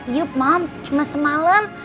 yuk moms cuma semalam